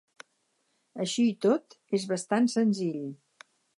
Així i tot és bastant senzill.